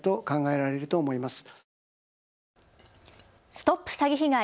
ＳＴＯＰ詐欺被害！